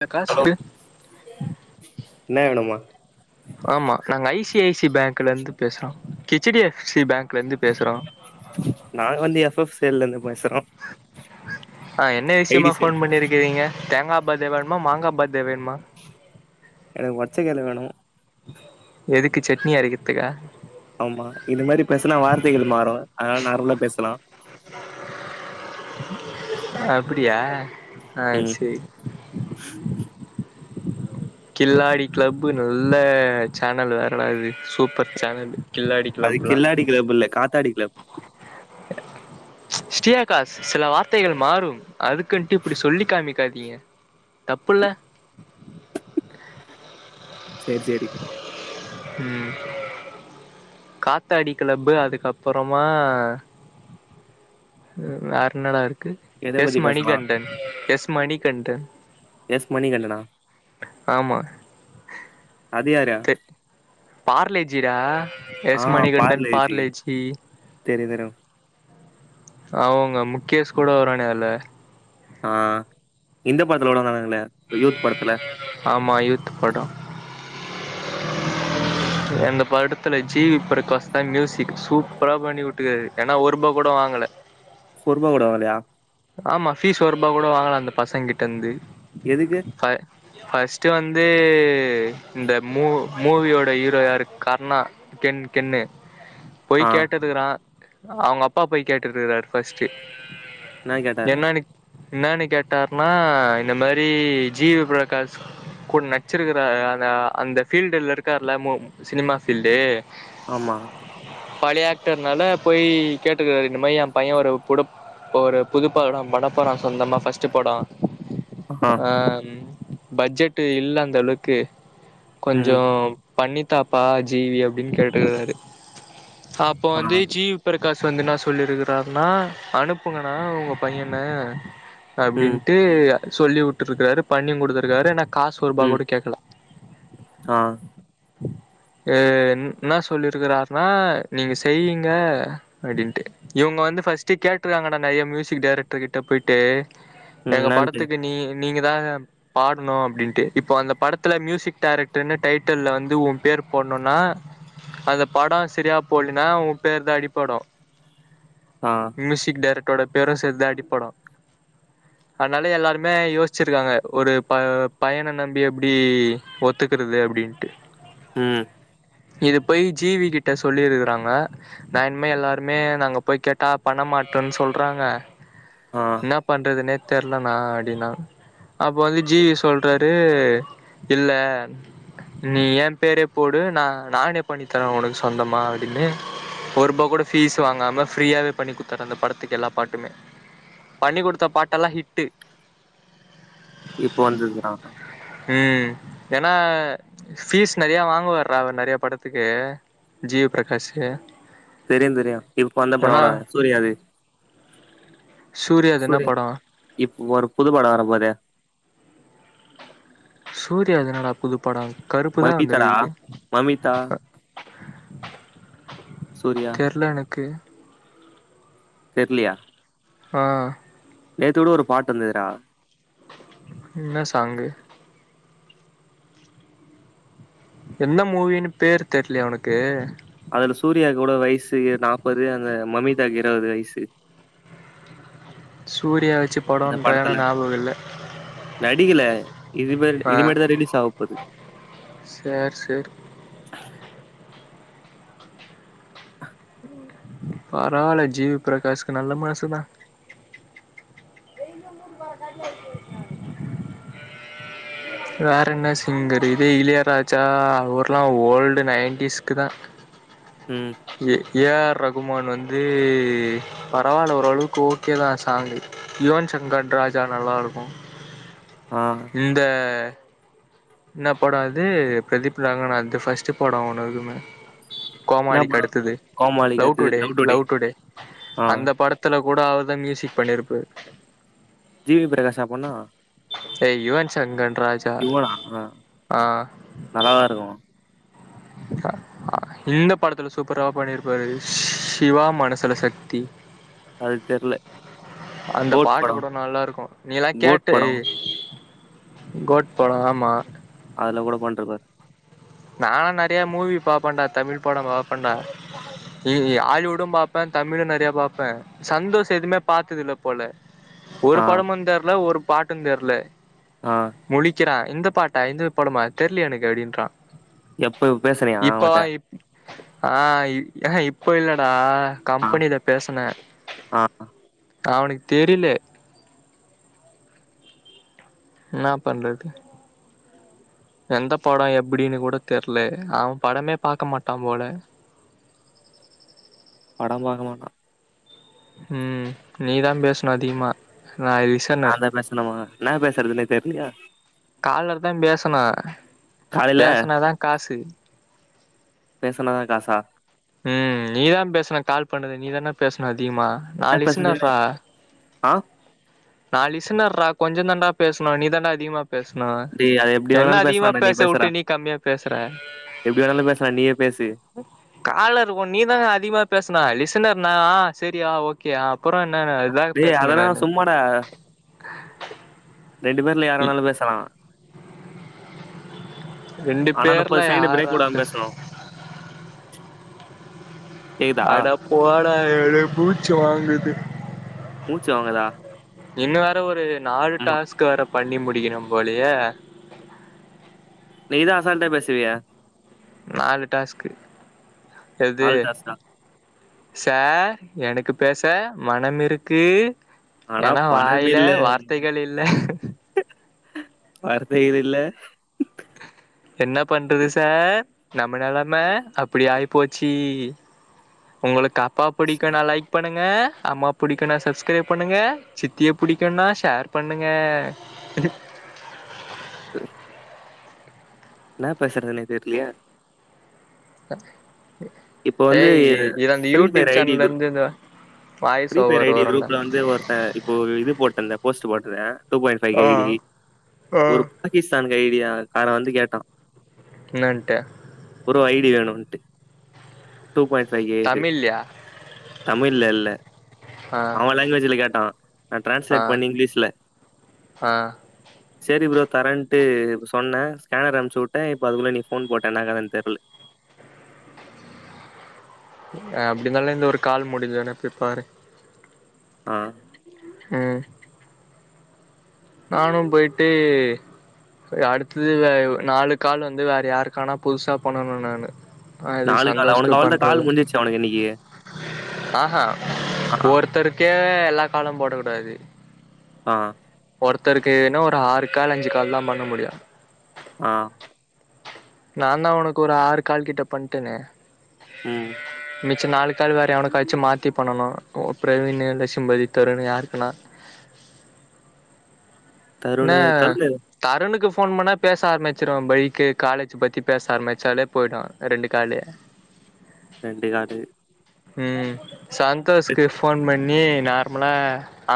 பிரகாஷு என்ன வேணுமா ஆமா நாங்க I C I C I பேங்க்ல இருந்து பேசுறோ ஹெச் டி எஃப் சி பேங்க்ல இருந்து பேசுறோ நாங்க வந்து எஃப் எஃப் சில்ல இருந்து பேசுறோ ஆ என்ன விஷயமா சேல் ஃபோன் பண்ணிருக்கிறீங்க தேங்காப் பத்த வேண்மா மாங்கா பத்த வேண்மா எனக்கு ஒடட்ச கல்ல வேணு எதுக்கு சட்னி அரைக்கத்துக்கா ஆமா இது மாரி பேசனா வார்த்தைகள் மாறு அதனால நார்மலா பேசலா அப்படியா ஆ ம் சேரி கில்லாடி கிளப்பு நல்ல சேனல் வேற வருது சூப்பர் சேனலு அது கில்லாடி கிளப் இல்ல காத்தாடி கிளப் ஸ்ரீஆகாஷ் சில வார்த்தைகள் மாறும் அதுக்குன்ட்டு இப்டி சொல்லி காமிக்காதீங்க தப்புள்ள சேரி சேரி ம் காத்தாடி கிளப்பு அதுக்கப்பறமா ம் வேற என்னாடா இருக் கு எத எஸ் பத்தி பேசலாம் மணிகண்டன் எஸ் மணிகண்டன் எஸ் மணிகண் ஆமா அது யாரு தெ பார்லேஜிடா எஸ்மணி கண்டன் பார்லேஜி தெரியும் தெரியும் அ உங்க முக்கேஷ் கூட வருவானே அதுல்ல ஆ இந்த படத்துல கூட வருவான்னுங்களே யூத் படத்துல ஆமா யூத் படோ அந்த படத்துல ஜீவி பிரகாஷ் தா மியூசிக் சூப்பரா பண்ணி விட்டுக்காரு ஏனா ஒரு ரூபா கூட வாங்கல சொர்பா கூட‌ வால்லையா ஆமா ஃபீஸ் ஒருரூபா கூட வாங்கல அந்த பசங்க கிட்ட இருந்து எதுக்கு ஃப ஃபஸ்ட்டு வந்து இந்த மூ மூவியோட ஹீரோ யாரு கர்ணா கெண் கெண்னு ஆ போய் கேட்டு இருக்கறா அவுங்க அப்பா போய் கேட்டு இருக்கறாரு ஃபஸ்ட்டு என்ன கேட்டாரா என்னன்னு என்னன்னு கேட்டாருன்னா இந்த மாரி ஜீவி பிரகாஷ் கூட நச்சிருக்கிறா அந்த அந்த ஃபீல்டுல இருக்கார்ல மோ சினிமா ஃபீல்டு ஆமா பழைய ஆக்டர்னால போய் கேட்டுக்காரு இந்த மாறி எ பைய ஒரு புடப் ஒரு புதுப்பாடம் படப்பறா சொந்தமா ஃபஸ்ட்டு படோ ஆ இம் பஜ்ஜெட்டு இல்ல அந்த அளவுக்கு ம் கொஞ்சோம் பண்ணித்தாப்பா ஜீவி அப்டின் கேட்டுக்கறாரு அப்போ ஆ வந்து ஜீவ் பிருகாஷ் வந்து என்னா சொல்லிருக்றாருன்னா அனுப்புங்கண்ணா உங்க பையன ம் அப்டின்ட்டு சொல்லி வுட்டுருக்காரு பண்ணியு கொடுத்துருக்காரு ஏன்னா காசு ஒர் ரூபா ம் கூட கேக்கல ஆ எ என் ன்னா சொல்லிருக்கிறாருனா நீங்க செய்யீங்க அப்டின்ட்டு இவ்ங்க வந்து ஃபஸ்ட்டு கேட்டுருக்காங்கனன் நயெம் ம்யூசிக் டைரக்டர் கிட்ட போய்ட்டு ம் எங்க என்னான்ட்டு படத்துக்கு நீ நீங்கதா அம் பாட்னு அப்டின்ட்டு இப்போ அந்த படத்துல ம்யூசிக் டைரக்ட்டுன்னு டைட்டில்ல வந்து உ பேர் போட்ணுனா அது படா சரியா போலனா உ பேர் தா அடிப்படு ஆ மூசிக் டேரக்ட்டோட பேரு சேத்தா அடிப்படு அனால எல்லாருமே யோஸ்ச்சிருக்காங்க ஒரு ப பையன நம்பி எப்டி ஒத்துக்குறது அப்டின்ட்டு உம் இது போய் ஜீவி கிட்ட சொல்லிருக்குறாங்க நா இன்மே எல்லாருமே நாங்க போய் கேட்டா பண மாட்டோன் சொல்றாங்க ஆ என்னா பண்றதுனே தெர்லனா அப்டின்னா அப் வந்து ஜீவி சொல்றாரு இல்ல நீ எ பேரே போடு நா நானே பண்ணி தரே உனக் சொந்தமா அப்டின்னு ஒர் ருபா கூட ஃபீஸ் வாங்காம ஃப்ரீயாவே பண்ணி குத்தர்ரே அந்த படத்துக் எல்லா பாட்டுமே பண்ணி கொடுத்த பாட்டெல்லா ஹிட்டு இப் வந்துது நா ம் எனா ஃபீஸ் நெறியா வாங்குவார்றா அவர் நறையா படத்துக்கு ஜீவ் ப்ரகாஷ்க்கு தெரியு தெரிய இப் வந்த படவானே சூரியா அது சூரியாது என்ன படோ இப் ஒரு புது படா வர போதே சூர்யா அது என்னடா புதுப்படம் கருப்பு தா மமிதாடா வந்துருக்குது மமிதா அ சூர்யா தெர்ல எனக்கு தெர்லியா ஆ நேத்து கூட ஒரு பாட் வந்துதுடா ம் ன்ன சாங்கு எந்ந மூவீனு பேர் தெர்லயா ஒனுக்கு அதுல சூர்யாக் கூட வய்சு யே நாப்பது அந்த மம்மிதாக் இருவது வயசு சூர்யா வெச்சு படோன்றே என ஞாபகோ இல்ல நடி கல இது மர்டு ஆ இது மேட்டுதா ரிலீஸ் ஆவ் போது சேர் சேர் பரவால்ல ஜி வி ப்ரகாஷ்க்கு நல்ல மனசு தா [unintelligible] வேற என்ன சிங்கரு இதே இளயராஜா அவர்லாம் ஓல்டு நைன்டிஸ்க்கு தான் ம் ஏ ஏ ஆர் ரகுமான் வந்து பரவால்ல ஓரளவுக்கு ஓகே தான் சாங்கு யுவன் சங்கர் ராஜா நல்லா இருக்கும் ஆ இந்த என்ன படம் அது பிரதீப் ரங்கநாதனுக்கு அது ஃபஸ்ட் படம் ஒன்னு இருக்குமே என்ன கோமாளிக்கு படோ அடுத்தது லவ் டுடே லவ் டுடே ஆ அந்த படத் த்துல கூட அவர் தான் மியூசிக் பண்ணிருப்பாரு ஜி வி பிரகாஷா பண்ணா ஏய் யுவன் சங்கன் ராஜ் இவனா ஆ நல்லாதா இருக்கும் ஆ ஆ இந்த படத்துல சூப்பரா பண்ணிருப்பாரு சிவா மனசுல சக்தி அது தெர்ல அந்த கோட் பாட்டு படோ கூட நல்லா இருக்கும் நீலாம் கோட் கேட்டு படோ கோட் படம் ஆமா அதுல கூட பண்ருப்பாரு நா நறைய மூவி பாப்பன்டா தமிழ் படம் பாப்பன்டா ம் ம் ஹாலிவுடும் பாப்பேன் தமிழும் நறையா பாப்பேன் சந்தோஷ் எதுமே பாத்தது இல்ல போல ஒரு ஆ படமும் தெர்ல ஒரு பாட்டும் தெர்ல ஆ முழிக்கிறான் இந்த பாட்டா இந்த பாடமா தெர்லயே எனக்கு அப்டின்றான் எப்போ இப்போ பேசுறியா அவன்ட்ட இப்பவா இப் ஆ ஏ இப்போ இல்லடா ஆ கம்பெனில பேசுனே ஆ அவனுக்கு தெரில என்னா பண்றது எந்த படம் எப்டின்னு கூட தெர்ல அவன் படமே பாக்க மாட்டான் போல படம் பாக்க மாட்டா ம் நீதான் பேசணும் அதிகமா நா விஸ் நான் தான் பேசணுமா என்ன பேசுறதுனே தெர்லயே காலர் தான் பேசனும் காலைல பேசுனா தான் காசு பேசுனாதா காசா ம் நீதான் பேசனும் கால் பண்ணது நீ தானே பேசனும் அதிகமா நா என்ன பேசுறது லிசனர்ரா ஆ நா லிசனர்ரா கொஞ்ச தண்டா பேசணும் நீ தண்டா அதிகமா பேசனும் டேய் அது எப்டி என்ன வேணாலு அதிகமா பேசலான்டா நீ பேச பேசுறா வுட்ட நீ கம்மியா பேசுற எப்டி வேணாலும் பேசலாம் நீயே பேசு காலர் உ நீ தான் அதிகமா பேசனு லிசனர்னா ஆ ‌‌ஆ சரியா ஓகோ ஆ அப்பறோ என்ன வே டே அதனா சும்மாடா ஆஹ் ரெண்டு பேர்ல யாரு வேனுநாளும் பேசலாம் ரெண்டு ஆனா பேர்ல முப்பது செகேன்டு பிரேக் யார்ரா வுடாம பேச பேசணும் கேக்குதா அட போடா எனக்கு மூச்சு வாங்குது மூச்சு வாங்குதா இன்னு வேற ஒரு நாலு ஆமா டாஸ்க்கு வேற பண்ணி முடிக்கணு போலயே நீ தா அசால்டா பேசுவிய நாலு டாஸ்க்கு எது ஆல்டாஸ்டா சார் எனக்கு பேச மனம் இருக்கு ஆனா ஏனா வாயில பணமில்ல வார்த்தைகள் இல்ல வார்த்தைகள் இல்ல என்ன பண்றது சார் நம்ம நெலம அப்டி ஆய்ப்போச்சி ஒங்ளுக்கு அப்பா புடிக்குனா லைக் பண்ணுங்க அம்மா பிடிக்குனா சப்ஸ்கிரைப் பண்ணுங்க சித்திய பிடிக்குனா ஷேர் பண்ணுங்க உம் என்னா பேசறதுனே தெர்லயே அது இப்ப வந்து ஏய் இது அந்த ஃப்ரீ யூடியூப் சேனல்ல இருந்து இந்த voice free fire over ID வரும்ல குரூப் ல வந்து ஒருத்தே இப்போ இது போட்டல போஸ்ட்டு போட்ருந்தே டூ பாயிண்ட் ஃபைக் ஆ ஐடி ஆ ஒரு பாகிஸ்தானுக்கு ஐடியாகார வந்து கேட்டா என்னட்டு ஒரு ஐடி வேணுன்ட்டு டூ பாயிண்ட் ஃபைவ் எயிட்டு தமிழ்யா தமிழ்ல இல்ல ஆ அவ லாங்குவேஜ்ல கேட்டா நா ஆ டிரான்ஸ்லேட் பண்ணி இங்கிலீஷ்ல ஆ சேரி ப்ரோ தரேன்ட்டு இப்ப சொன்னே ஸ்கேனர் அனுப்ச்சுட்டே இப்ப அதுகுள்ள நீ ஃபோன் போட்ட என்னாக்கதன் தெர்ல அ அப்டினால இந்த ஒரு கால் முடியஞ்சோன போய் பாரு ஆ ம் நானு பொயிட்டு செரி அடுத்தது வேற நாலு காலு வந்து வேற யாருக்கானா புதுசா பண்ணனு நானு ஆ இது நாலு கால் சந்தோஷ்ட்ட அவனுக்கு அவள்தான் பண்றது கால் முடிஞ்சிச்சு அவனுக்கு இன்னைக்கு ஆஹா ஆ ஒருத்தருக் கே எல்லா காலு போட குடாது ஆ ஒருத்தருக்கு என்னா ஒரு ஆறு கால் அஞ்சி கால் தா பண்ண முடியு ஆ நா தா ஒனக்கு ஒரு ஆறு கால் கிட்ட பண்ட்டனே ம் மிச்ச நாலு கால் வேற எவனுகாச்சு மாத்தி பண்ணனு பிரவீனு இல்ல சிம்பவித் தருனு யாருக்குன்னா நா தருணு தருணு தருனுக்கு ஃபோன் பண்ணா பேச ஆரம்பிச்சிருவா பைக்கு காலேஜு பத்தி பேச ஆரம்பிச்சாலே பொயிடு ரெண்டு காலு ரெண்டு காலு ம் சந்தோஷ்க்கு ஃபோன் பண்ணி நார்மலா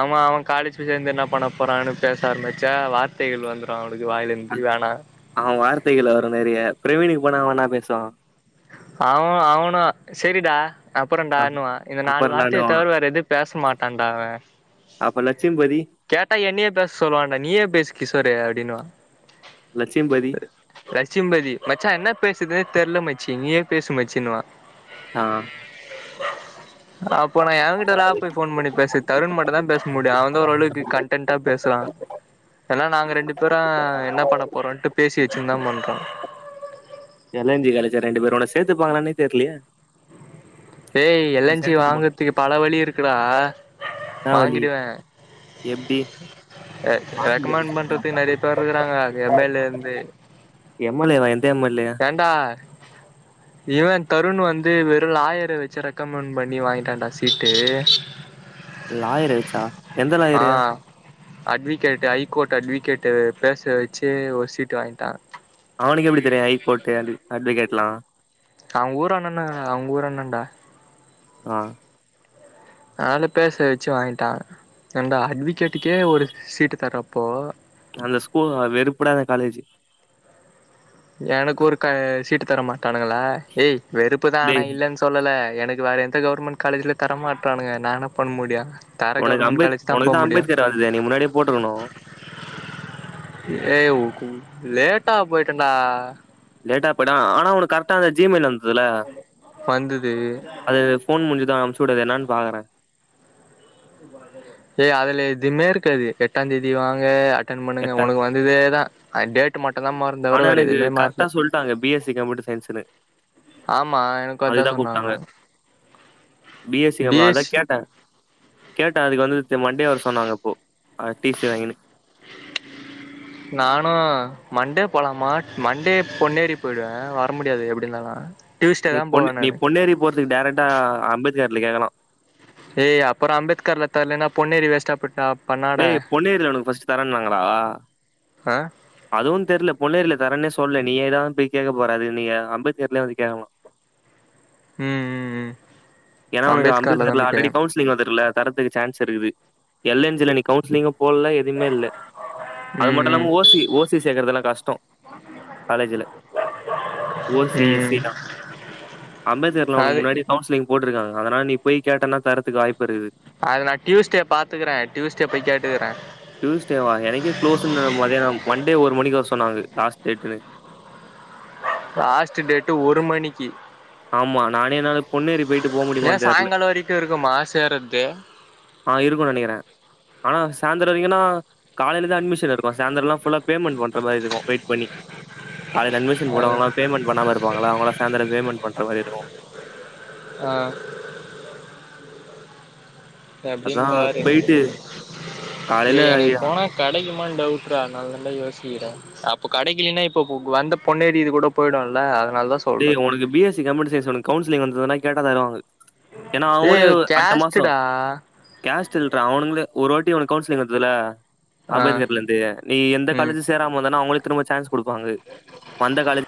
ஆமா அவ காலேஜ்ல சேந்து என்ன பண்ண போறானு பேச ஆரம்பிச்சா வார்த்தைகள் வந்துரு அவுனுக்கு வாயில இருந்து வேணா அவ வார்த்தைகள வர மாரியா பிரவீனுக்கு போனா வேணா பேசுவா அவ் அவனா செரிடா அப்பற ஆ, டாணுவா இந்த நாலு அப்புறம் வார்த்தய நானும் தவர வேற எது பேச மாட்டான்ட அவே அப்ப லட்சுமிபதி கேட்டா என்னயே பேச சொல்லுவான்டா நீயே பேசு கிஷோரு அப்டின்னுவா லட்சுமிபதி லட்சுமிபதி மச்சா என்ன பேசுதுன்னே தெர்ல மச்சி நீயே பேசு மச்சின்னுவா ஆ [inaudible] அப்போ நா எவ கிட்டெல்லா போய் ஃபோன் பண்ணி பேசுறது தருண் மட்டு தா பேச முடியு அவந்தா ஓரளவுக்கு கன்டன்டா பேசலா ஏனா நாங்க ரெண்டு பேரு என்ன பண்ண போறோன்ட்டு பேசி வச்சுன்னு தா பண்றோ என் என் ஜீ காலேஜா ரெண்டு பேரு உன்ன சேத்துப்பாங்காளானே தெர்லயே ஏய் எல் என் ஜீ சேத்துக்குமா வாங்குறதுக்கு பல வழி இருக்குடா என்னா வழி எப்டி ஏ ரெக்கமெண்ட் பண்றதுக்கு நெறய பேர் இருக்குறாங்க எம் எல் ஏ இருந்து எம் எல் ஏ வா எந்த எம் எல் ஏ ஏன்டா இவே தருண் வந்து வெறு லாயர் ர வச்சு ரெக்கமெண்ட் பண்ணி வாங்கிட்டா டா சீட்டு லாயர வச்சா ஆ அட்விகேட் ஐ கோர்ட் அட்விகேட்டு பேச வச்சு ஒரு சீட்ட வாங்கிட்டா அவனுக்கு எப்டி தெரியு ஹை கோர்ட் அண்டு அட்வகேட்லா அவுங்க ஊரா அண்ண அவுங்க ஊர் அண்ணடா ஆ ஆள பேச வச்சு வாங்கிட்டா ஏன்டா அட்வகேட்டுக்கே ஒரு சீட்டு தரப்போ அந்த ஸ்கூல் வெறுப்புடா அந்த காலேஜு எனக்கு ஒரு க சீட்டு தரமாட்டானுங்களா ஏய் வெறுப்பு தா ஆனா டேய் இல்லன்னு ஸ் சொல்லல எனக்கு வேற எந்த கவுர்மெண்ட் காலேஜ்ல தரமாட்டறானுக நா என்ன பண்ண முடியு உனக்கு அம்பேத் உனக்கு தா அம்பேத்கர் வருதே நீ முன்னாடியே போட்ருக்கணு ஏ உ கு லேட்டா போயிட்டேன்டா லேட்டா பெனா ஆனா உனக்கு கரெக்டா அந்த ஜி மெயில் வந்ததுல வந்தது அது ஃபோன் முடிஞ்சது அம்ச்சுவுடு அது என்னான்னு பாக்குறே [inaudible] ஏய் அதுல எதுமே இருக்காது எட்டா தேதி வாங்க அட்டன் பண்ணுங்க எட்டாந் உனக்கு வ ந்ததே தா அ டேட் மட்டு தா மாறுது ஆனா எனக்கு கரெக்டா சொல்லுட்டாங்க பி எஸ் சி கம்யூட்டர் சயின்ஸ்ன்னு ஆமா எனக்கு அதா அதுக்கு சொன்னாங்க பி ஏ சி எம் அத பிஎஸ்சி கேட்டே கேட்டே அதுக்கு வந்து செரி மண்டே வர சொன்னாங்க அப்போ டி சி வாங்கினு நானு மண்டே போலாமா மண்டே பொன்னேரி போயிடுவே வர முடியாது எப்டி இருந்தாலு நீ பொன்ன நீ பொன்னேரி போறதுக்கு டேரெக்டா அம்பேத்கர்ல கேட்கலா ஏய் அப்பற அம்பேத்கர்ல தரன்னா பொன்னேரி வேஷ்டா பேய்ட்டா டேய் பொன்னேரில உனக்கு ஃபஸ்ட்டு தரேனாங்களா அ அதுவு தெர்ல பொன்னேரியல தரேனே சொல்லல நீயே தா போய் கேட்க போறே அதுக்கு நீங்க அம்பேத்கர்லயே வந்து கேட்கலா ஏனா ஒனக்கு தான் அம்பேத்கர்ல போய் ஆல்ரெடி கேட்கணும். கவுன்ச் சிலிங்ல வந்திர்ல தரத்துக்கு சான்ஸ் இருக்குது எல் என் ஜி ல நீ கவுன்சிலிங்கு போடல எது எதுமே இல்ல அது ம் ம் மட்டுமில்லாம ஓசி ஓசி சேர்க்கறது எல்லா கஷ்டோ காலேஜ்ஜுல ஓ சி எஸ் ம் சி தா அம்பேத்கர்லா உனக் அது முன்னாடி கவுன்சிலிங போட்டுருக்காங்க அதனால நீ போய் கேட்டனா தரத்துக்கு வாய்ப்பிருக்குது அது நா டியூஸ்டே பாத்துக்குரே டியூஸ்டே போய் கேட்டுக்கிறே டியூஸ்டேவா எனக்கே க்ளோஸ்ன்னு மத்யானம் மண்டே ஒரு மணிக்கு வர சொன்னாங்க லாஸ்ட் டேட்டுன்னு லாஸ்ட் டேட்டு ஒரு மணிக்கு ஆமா நானே என்னால பொன்னேரி போயிட்டு போக முடியுமான் ஏன் தெர்ல சாயங்காலம் வரைக்கும் இருக்குமா சேர்றது ஆ இருக்கு நெனைக்கிறே ஆனா சாயந்தரோ வரிக்குன்னா காலையில தா அட்மிஷன் இருக்கு சாயந்தர எல்லா ஃபுல்லா பேமெண்ட் பண்ற மாரி இருக்கு வெயிட் பண்ணி காலைல அட்மிஷன் போட்டவங்களா பேமெண்ட் பண்ணாம இருப்பாங்களா அவங்களா சாயந்திர பேமண்ட் பண்ற மாரி இருக்கு ஆ எப்டின் அதான் பாரு போயிட்டு காலையில ஏய் எனை போனா கெடைக்குமான் டவுட்ரா அதனால தாண்டா யோசிக்கிறே அப்ப கடைக்கலேனா இப்ப வந்த பொண்ணேரியிது இது கூட போயிடுல்ல அதனால தா சொ டே உனக்கு B S C computer science உனக்கு கவுன்சிலங் வந்ததுனா கேட்டா [unintelligible] ஏனா ஏ அவங்களே ஒ அடுத்த மாசோ கேஸ்டுடா கேஸ்டில் டா அவனுங்களே ஒரு வாட்டி உனக் கவுன்சிலி்ங் வந்ததில்ல ஆ அம்பேத்கர்ல இருந்து நீ எந்த ம் காலேஜ் சேராமிருந்தனா அவங்களே திரும்ப சான்ஸ் குடுப்பாங்க வந்த காலேஜ்